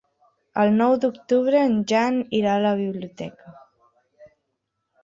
El nou d'octubre en Jan irà a la biblioteca.